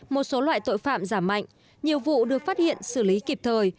một số loại tội phạm giảm mạnh nhiều vụ được phát hiện xử lý kịp thời